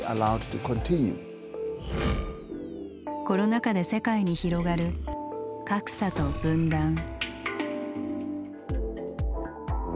コロナ禍で世界に広がる格差と分断。